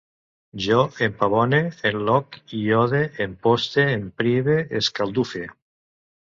Jo empavone, encloc, iode, emposte, emprive, escaldufe